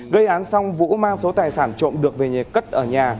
gây án xong vũ mang số tài sản trộm được về nhà cất ở nhà